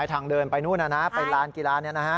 ไอ้ทางเดินไปนู่นน่ะนะไปร้านกี่ร้านเนี่ยนะฮะ